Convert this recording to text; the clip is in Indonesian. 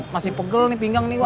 masih pegel nih pinggang nih wah